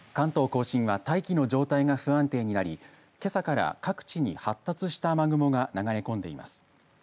甲信は大気の状態が不安定になりけさから各地に発達した雨雲が流れ込んでいます。